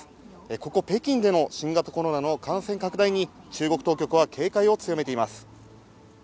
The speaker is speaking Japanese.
ここ北京での新型コロナの感染拡大に、中国当局は警戒を強めています。